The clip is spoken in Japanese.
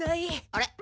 あれ？